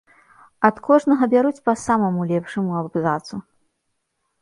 Ад кожнага бяруць па самаму лепшаму абзацу.